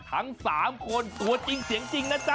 ทั้ง๓คนตัวจริงเสียงจริงนะจ๊